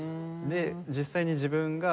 で実際に自分が。